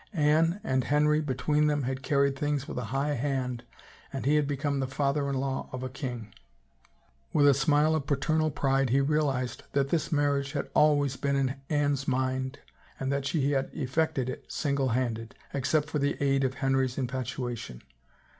Anne and Henry between them had carried things with a high hand and he had become the father in law of a king. With a smile of paternal pride he realized that this marriage had been always in Anne's mind and that she had effected it single handed — except for the aid of Henry's infatua tion.